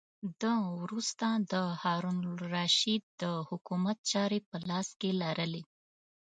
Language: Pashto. ده وروسته د هارون الرشید د حکومت چارې په لاس کې لرلې.